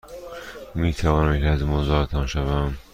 می توانم یک لحظه مزاحمتان شوم؟